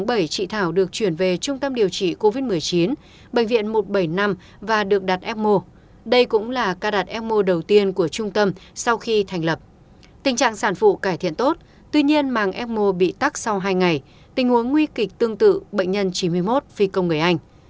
bệnh nhân mang ecmo bị tắc sau hai ngày tình huống nguy kịch tương tự bệnh nhân chín mươi một phi công người anh